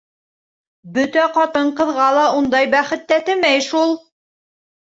Бөтә ҡатын-ҡыҙға ла ундай бәхет тәтемәй шул.